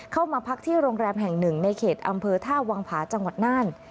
เข้ามาพักที่โรงแรมแห่งหนึ่งในเขตอำเภอท่าวังผาจังหวัดน่าน